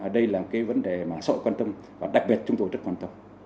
đây là cái vấn đề mà sợi quan tâm và đặc biệt chúng tôi rất quan tâm